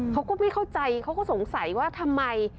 เขาก็ไม่เข้าใจเขาก็สงสัยว่าทำไม